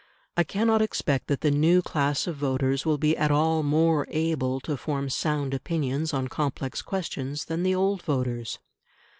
I cannot expect that the new class of voters will be at all more able to form sound opinions on complex questions than the old voters.